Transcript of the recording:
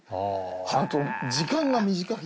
あと時間が短い。